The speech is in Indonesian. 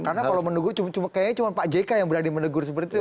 karena kalau menegur kayaknya cuma pak jk yang berani menegur seperti itu